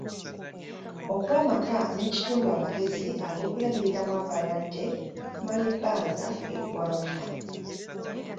Okuwa amaka n’ekitundu amagezi ag’okulabiriramu abalwadde okumala ebbanga eggwanvu.